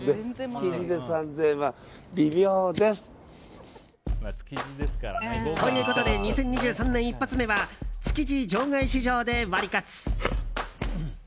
築地で３０００円は微妙です。ということで２０２３年一発目は築地場外市場でワリカツ！